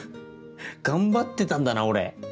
頑張ってたんだな俺。